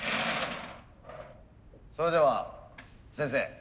それでは先生